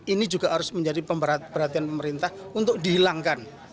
ini juga harus menjadi perhatian pemerintah untuk dihilangkan